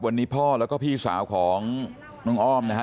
วันนี้พ่อแล้วก็พี่สาวของน้องอ้อมนะฮะ